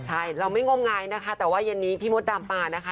ใช่เราไม่งมงายนะคะแต่ว่าเย็นนี้พี่มดดำมานะคะ